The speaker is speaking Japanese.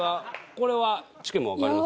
これはちゅけもんわかります？